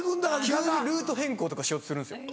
急にルート変更とかしようとするんですよ。